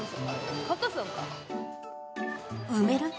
埋める？